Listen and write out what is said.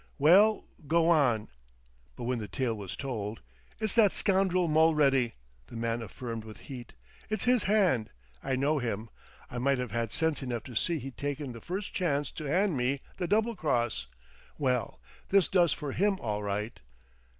"Well go on." But when the tale was told, "It's that scoundrel, Mulready!" the man affirmed with heat. "It's his hand I know him. I might have had sense enough to see he'd take the first chance to hand me the double cross. Well, this does for him, all right!"